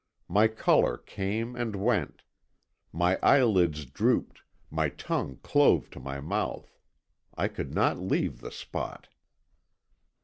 My colour came and went. My eyelids drooped, my tongue clove to my mouth. I could not leave the spot."